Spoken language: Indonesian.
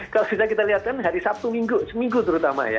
kalau bisa kita lihat kan hari sabtu minggu seminggu terutama ya